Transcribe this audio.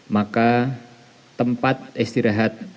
maka tempat istirahat